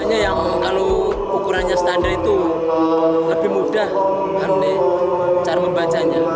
al quran raksasa itu lebih mudah cara membacanya